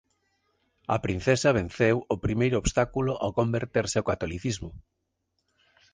A princesa venceu o primeiro obstáculo ao converterse ao catolicismo.